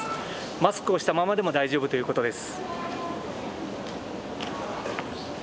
マスクをしたままでも大丈夫ということです。